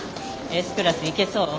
Ｓクラスいけそう？